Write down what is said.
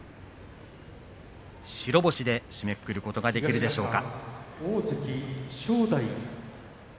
白星で締めくくることができるでしょうか。